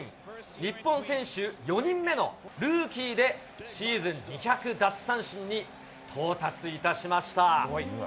日本選手４人目のルーキーでシーズン２００奪三振に到達いたしました。